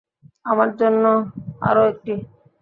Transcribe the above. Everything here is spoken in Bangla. আমার জন্য আরও একটি।